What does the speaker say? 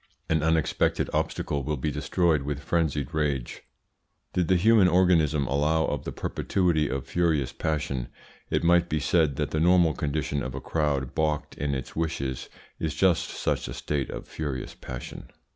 An unexpected obstacle will be destroyed with frenzied rage. Did the human organism allow of the perpetuity of furious passion, it might be said that the normal condition of a crowd baulked in its wishes is just such a state of furious passion.